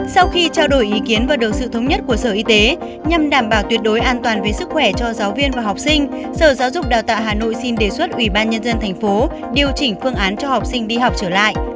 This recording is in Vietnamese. sau khi trao đổi ý kiến và được sự thống nhất của sở y tế nhằm đảm bảo tuyệt đối an toàn về sức khỏe cho giáo viên và học sinh sở giáo dục đào tạo hà nội xin đề xuất ủy ban nhân dân thành phố điều chỉnh phương án cho học sinh đi học trở lại